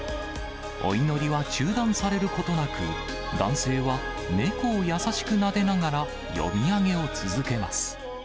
お祈りは中断されることなく、男性は猫を優しくなでながら、読み上げを続けます。